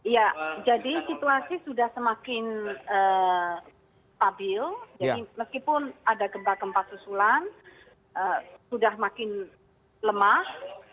ya jadi situasi sudah semakin stabil jadi meskipun ada gempa gempa susulan sudah makin lemah